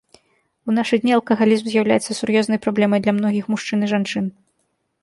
У нашы дні алкагалізм з'яўляецца сур'ёзнай праблемай для многіх мужчын і жанчын.